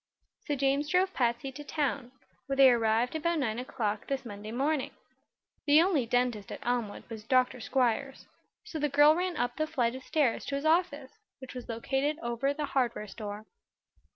So James drove Patsy to town, where they arrived about nine o'clock this Monday morning. The only dentist at Elmwood was Dr. Squiers, so the girl ran up the flight of stairs to his office, which was located over the hardware store.